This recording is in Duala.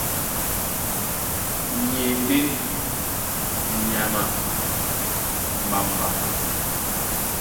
Ni e ndé nyama a mbamba.